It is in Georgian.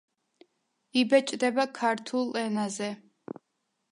იბეჭდება ქართულ ენაზე.